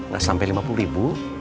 gak sampai lima puluh ribu